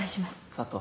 佐都。